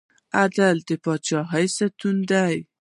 عدل د پاچاهۍ ستون دی